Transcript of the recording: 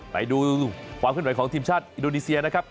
ไปดูความขึ้นไหวของทีมชาติอินโดนีเซียนะครับ